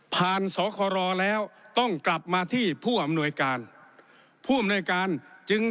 สครแล้วต้องกลับมาที่ผู้อำนวยการผู้อำนวยการจึง